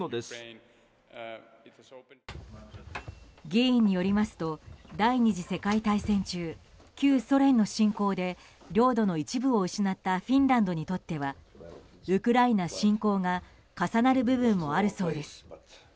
議員によりますと第２次世界大戦中旧ソ連の侵攻で領土の一部を失ったフィンランドにとってはウクライナ侵攻が重なる部分もあるそうです。